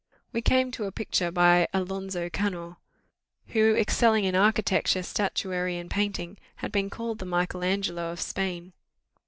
We came to a picture by Alonzo Cano, who, excelling in architecture, statuary, and painting, has been called the Michael Angelo of Spain.